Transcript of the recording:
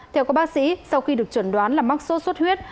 theo các bác sĩ sau khi được chuẩn đoán là mắc sốt xuất huyết